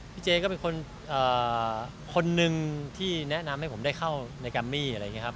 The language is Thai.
พี่เจก็เป็นคนหนึ่งที่แนะนำให้ผมได้เข้าในกรามมี่